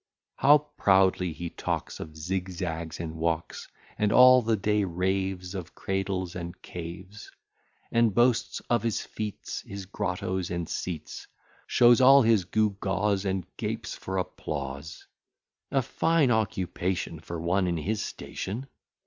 ] How proudly he talks Of zigzags and walks, And all the day raves Of cradles and caves; And boasts of his feats, His grottos and seats; Shows all his gewgaws, And gapes for applause; A fine occupation For one in his station!